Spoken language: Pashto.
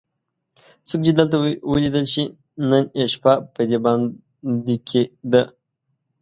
څوک چې دلته ولیدل شي نن یې شپه په دې بانډه کې ده.